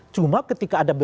cuma ketika ada beban beliau